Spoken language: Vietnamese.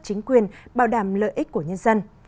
chính quyền bảo đảm lợi ích của nhân dân